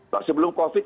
nah sebelum covid